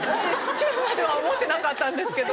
チュまでは思ってなかったんですけど。